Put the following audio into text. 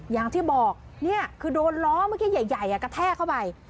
อย่างที่บอกนี่คือโดนล้อเมื่อกี้ใหญ่กระแทกเข้าไป